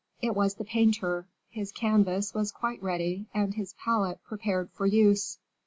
It was the painter; his canvas was quite ready, and his palette prepared for use.